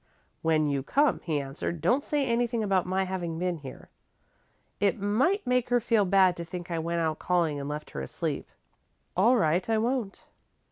"When you come," he answered, "don't say anything about my having been here. It might make her feel bad to think I went out calling and left her asleep." "All right I won't."